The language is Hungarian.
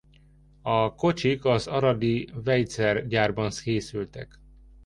A kocsik az aradi Weitzer-gyárban készültek.